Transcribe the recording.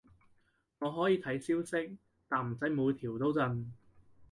我可以睇消息，但唔使每條都震